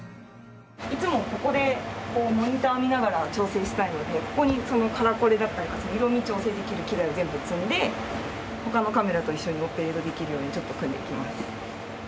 いつもここでこうモニターを見ながら調整したいのでここにカラコレだったり色味調整できる機材を全部積んで他のカメラと一緒にオペレートできるようにちょっと組んでいきます。